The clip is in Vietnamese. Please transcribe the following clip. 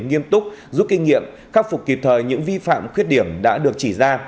nghiêm túc rút kinh nghiệm khắc phục kịp thời những vi phạm khuyết điểm đã được chỉ ra